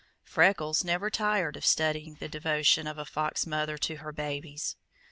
Freckles never tired of studying the devotion of a fox mother to her babies.